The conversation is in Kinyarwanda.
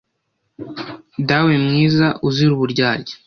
Dawe mwiza uzira uburyarya